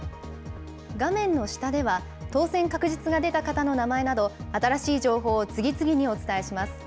画面の下では、当選確実が出た方の名前など、新しい情報を次々にお伝えします。